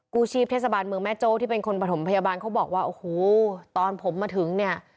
กู้ชีพเทศบาลเมืองแม่โจ้ที่เป็นคนประถมพยาบาลเขาบอกว่าโอ้โหตอนผมมาถึงเนี่ย